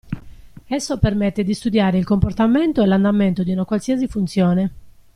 Esso permette di studiare il comportamente e l'andamento di una qualsiasi funzione.